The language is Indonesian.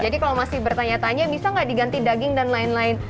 jadi kalau masih bertanya tanya bisa enggak diganti daging dan lain lain